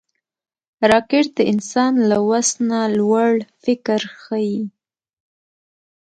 راکټ د انسان له وس نه لوړ فکر ښيي